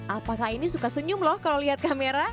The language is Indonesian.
apakah ini suka senyum loh kalau lihat kamera